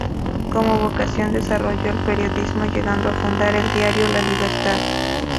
Como vocación, desarrolló el periodismo, llegando a fundar el diario ""La Libertad"".